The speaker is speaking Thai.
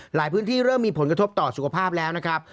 หลายพื้นที่เริ่มมีผลกระทบต่อสุขภาพแล้วนะครับ